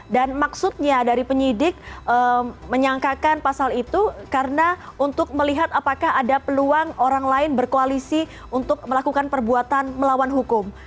dan maksudnya dari penyidik menyangkakan pasal itu karena untuk melihat apakah ada peluang orang lain berkoalisi untuk melakukan perbuatan melawan hukum